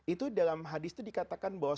itu dalam hadis itu dikatakan bahwa